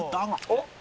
おっ！